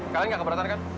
kalian gak keberatan kan